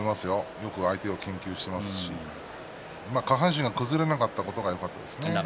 よく相手を研究していますし下半身が崩れなかったことがよかったですね。